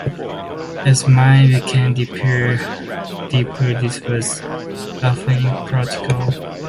As mines became deeper, this was often impractical.